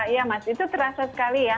iya mas itu terasa sekali ya